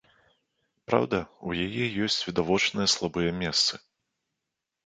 Праўда, у яе ёсць відавочныя слабыя месцы.